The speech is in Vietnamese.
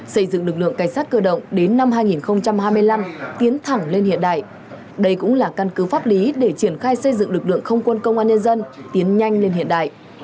xây dựng lực lượng cảnh sát cơ động đến năm hai nghìn hai mươi năm tiến thẳng lên hiện đại đây cũng là căn cứ pháp lý để triển khai xây dựng lực lượng không quân công an nhân dân tiến nhanh lên hiện đại